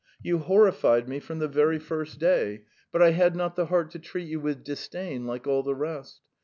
You horrified me from the very first day, but I had not the heart to treat you with disdain like all the rest.